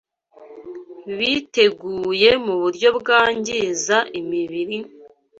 biteguye mu buryo bwangiza imibiri,